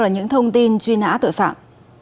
những thông tin truy nã tội phạm